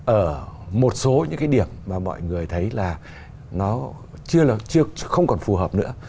ở một số những cái điểm mà mọi người thấy là nó chưa không còn phù hợp nữa